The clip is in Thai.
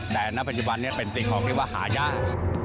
แต่ในปัจจุบันเป็นติดของที่ว่าหาย่าง